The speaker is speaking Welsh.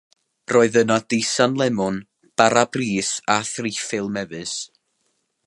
Roedd yno deisen lemon, bara brith a threiffl mefus.